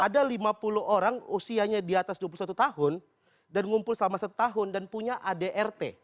ada lima puluh orang usianya di atas dua puluh satu tahun dan ngumpul selama satu tahun dan punya adrt